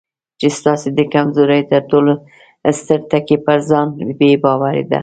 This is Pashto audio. چې ستاسې د کمزورۍ تر ټولو ستر ټکی پر ځان بې باوري ده.